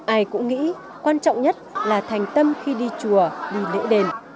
ai cũng nghĩ quan trọng nhất là thành tâm khi đi chùa đi lễ đền